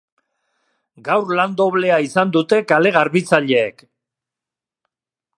Gaur lan doblea izan dute kale-garbitzaileek.